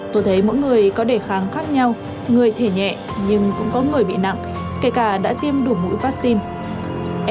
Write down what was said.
tôi thấy mỗi người có đề kháng khác nhau người thể nhẹ nhưng cũng có người bị nặng kể cả đã tiêm đủ mũi vaccine